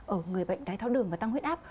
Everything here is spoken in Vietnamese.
ở người bệnh đái tháo đường và tăng huyết áp